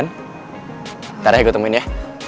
ntar ya gue temuin ya